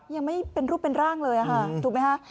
ยังไม่เป็นรูปเป็นร่างเลยค่ะถูกไหมคะ